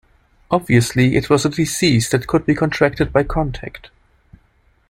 Obviously, it was a disease that could be contracted by contact.